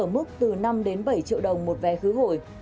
mức từ năm bảy triệu đồng một vé khứ hồi